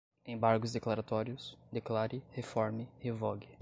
embargos declaratórios, declare, reforme, revogue